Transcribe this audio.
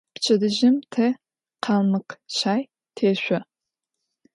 Pçedıjım te khalmıkhşay têşso.